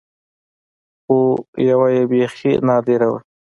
خو يوه يې بيخي نادره وه.